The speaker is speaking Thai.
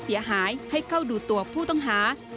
เพื่อให้ผู้เสียหายให้เข้าดูตัวผู้ต้องหา